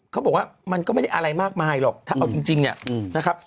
เขาบอกว่ามันก็ไม่ได้อะไรมากมายหรอกถ้าเอาจริงเนี่ยนะครับ